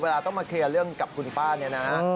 ต้องมาเคลียร์เรื่องกับคุณป้าเนี่ยนะ